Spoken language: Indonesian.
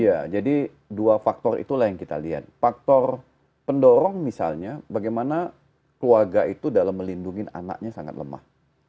iya jadi dua faktor itulah yang kita lihat faktor pendorong misalnya bagaimana keluarga itu dalam melindungi anaknya sangat lemah